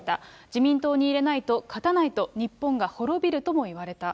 自民党に入れないと、勝たないと日本が滅びるとも言われた。